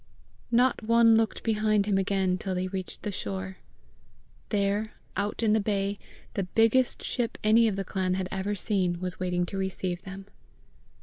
Not one looked behind him again till they reached the shore. There, out in the bay, the biggest ship any of the clan had ever seen was waiting to receive them.